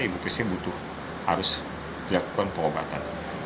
ibu pc butuh harus dilakukan pengobatan